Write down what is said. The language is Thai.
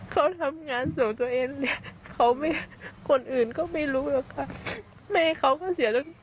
เขาทำงานส่วนตัวเองเขาไม่คนอื่นก็ไม่รู้หรอกค่ะแม่เขาก็เสียตั้งแต่เด็ก